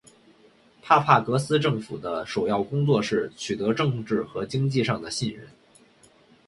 帕帕戈斯政府的首要工作是取得政治和经济上的信任。